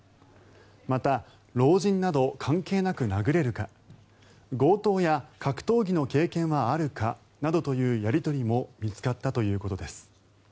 また、老人など関係なく殴れるか強盗や、格闘技の経験はあるかなどというやり取りも見つかったということです。